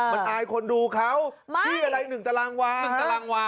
มันอายคนดูเขาที่อะไร๑ตารางวา